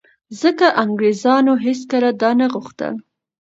ځکه انګرېزانو هېڅکله دا نه غوښتل